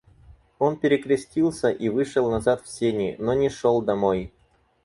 Он перекрестился и вышел назад в сени, но не шел домой.